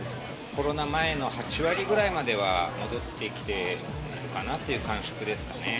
コロナ前の８割ぐらいまでは戻ってきてるかなという感触ですかね。